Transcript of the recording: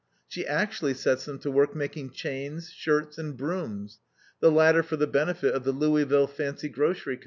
She actually sets them to work making chains, shirts, and brooms, the latter for the benefit of the Louisville Fancy Grocery Co.